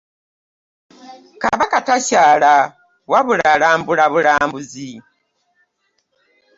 Kabaka takyala wabula alambula bulambuzi.